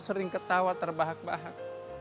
sering ketawa terbahak bahak